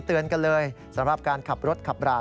เตือนกันเลยสำหรับการขับรถขับรา